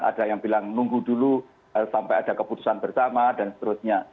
ada yang bilang nunggu dulu sampai ada keputusan bersama dan seterusnya